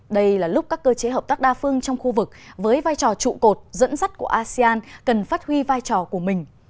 đây là lúc các cơ chế hợp tác đa phương trong khu vực với vai trò trụ cột dẫn dắt của asean cần phát huy vai trò của mình